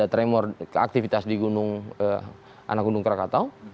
ada terjadi tremor aktivitas di gunung anak gunung krakatau